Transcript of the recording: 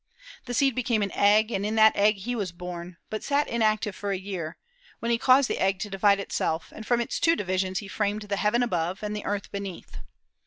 The seed became an egg, and in that egg he was born, but sat inactive for a year, when he caused the egg to divide itself; and from its two divisions he framed the heaven above, and the earth beneath.